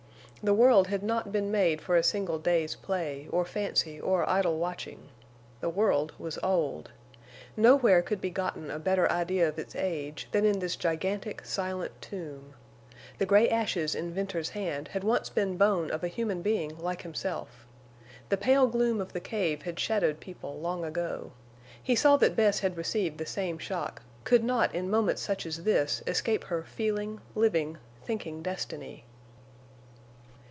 The world had not been made for a single day's play or fancy or idle watching. The world was old. Nowhere could be gotten a better idea of its age than in this gigantic silent tomb. The gray ashes in Venters's hand had once been bone of a human being like himself. The pale gloom of the cave had shadowed people long ago. He saw that Bess had received the same shock—could not in moments such as this escape her feeling living, thinking destiny.